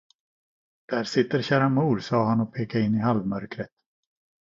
Där sitter kära mor, sade han och pekade in i halvmörkret.